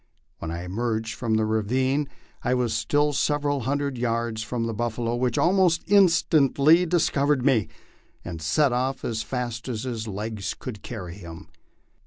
When I emerged from the ravine I was still sev eral hundred yards from the buffalo, which almost instantly discovered me, and set off as fast as his legs could carry him.